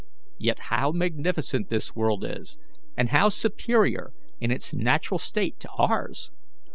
Yet, how magnificent this world is, and how superior in its natural state to ours!